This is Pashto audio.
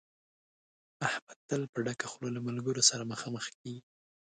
احمد تل په ډکه خوله له ملګرو سره مخامخ کېږي.